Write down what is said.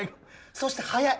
そして早い。